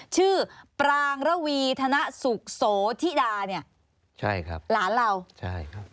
ชื่อปรางระวีธนสุขโสธิดาเนี่ยใช่ครับหลานเราใช่ครับ